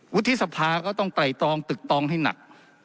วุฒิสภาก็ต้องไตรตองตึกตองให้หนัก